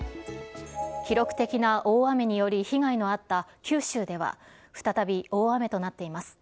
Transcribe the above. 記録的な大雨により、被害のあった九州では、再び大雨となっています。